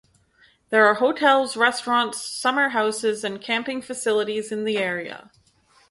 There are hotels, restaurants, summer houses and camping facilities in the area.